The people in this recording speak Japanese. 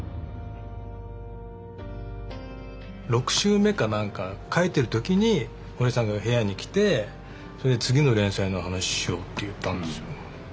６週目か何か描いてる時に堀江さんが部屋に来てそれで「次の連載の話しよう」って言ったんですよ。